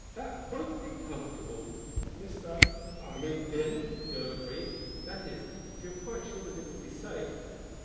"That would be comfortable, Mr. I mean Vin," the girl agreed. "That is, if you are quite sure that it would be safe.